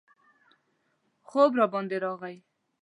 خوب راباندې راغی.